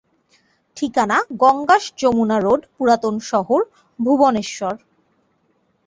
ঠিকানা: গঙ্গাস-যমুনা রোড, পুরাতন শহর, ভুবনেশ্বর।